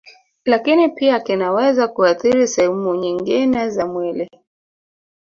Lakini pia kinaweza kuathiri sehemu nyingine za mwili